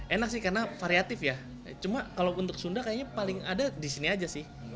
enak sih karena variatif ya cuma kalau untuk sunda kayaknya paling ada di sini aja sih